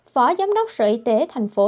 phó giám đốc sở y tế tp hcm